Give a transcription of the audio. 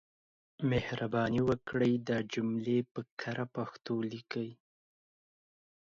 مهرباني وکړئ دا جملې په کره پښتو ليکئ.